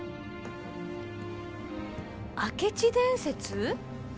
明智伝説？